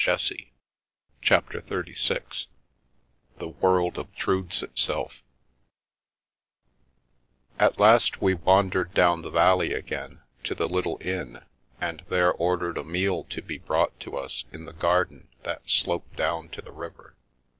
3» CHAPTER XXXVI THE WORLD OBTRUDES ITSELF AT last we wandered down the valley again to the lit tle inn, and there ordered a meal to be brought to us in the garden that sloped down to the river.